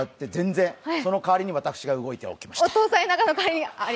その代わりに私が動いておきました。